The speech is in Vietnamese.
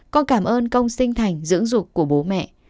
con cảm ơn công sinh thành dưỡng dục của bố mẹ